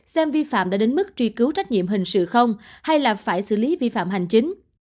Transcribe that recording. xem vi phạm đã đến mức truy cứu trách nhiệm hình sự không hay là phải xử lý vi phạm hành chính